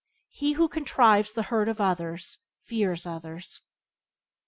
He who contrives the hurt of others fears others.